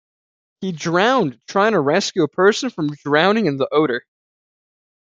He drowned trying to rescue a person from drowning in the Oder.